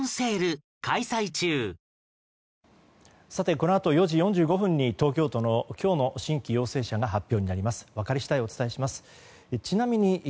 このあと４時４５分に東京都の今日の新規陽性者が発表になります。